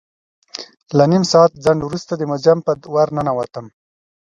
له نیم ساعت ځنډ وروسته د موزیم په ور ننوتم.